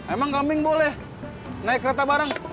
emang kambing boleh naik kereta barang